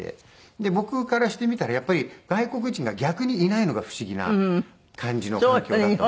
僕からしてみたらやっぱり外国人が逆にいないのが不思議な感じの環境だった。